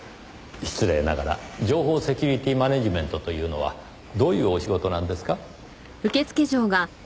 失礼ながら情報セキュリティマネジメントというのはどういうお仕事なんですか？